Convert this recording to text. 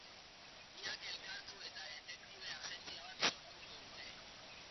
Biak elkartu eta detektibe agentzia bat sortuko dute.